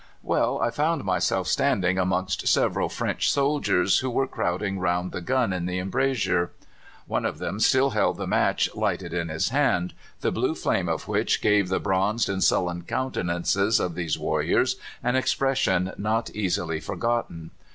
Well, I found myself standing amongst several French soldiers, who were crowding round the gun in the embrasure. One of them still held the match lighted in his hand, the blue flame of which gave the bronzed and sullen countenances of these warriors an expression not easily forgotten.